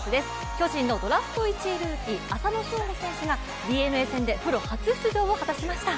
巨人のドラフト１位ルーキー浅野翔吾選手がＤｅＮＡ戦でプロ初出場を果たしました。